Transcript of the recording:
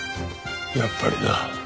やっぱりな。